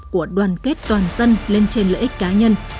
của đoàn kết toàn dân lên trên lợi ích cá nhân